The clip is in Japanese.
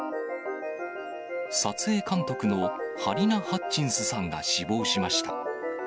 撮影監督のハリナ・ハッチンスさんが死亡しました。